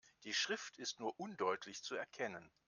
Die Schrift ist nur undeutlich zu erkennen.